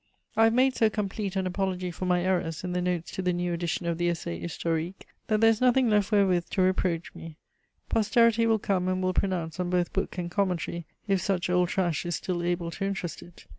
I have made so complete an apology for my errors in the notes to the new edition of the Essai historique, that there is nothing left wherewith to reproach me. Posterity will come and will pronounce on both book and commentary, if such old trash is still able to interest it.